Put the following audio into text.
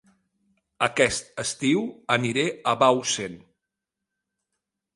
Aquest estiu aniré a Bausen